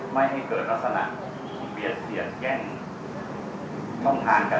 ไม่ให้เกิดลักษณะเบียดเสียดแย่งช่องทางกัน